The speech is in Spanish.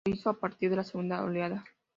Lo hizo a partir de la segunda oleada.